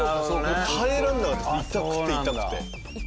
耐えられなかった痛くて痛くて。